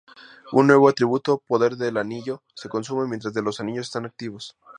Un nuevo atributo, "Poder del anillo", se consume, mientras que los anillos están activos.